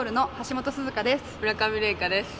村上礼華です。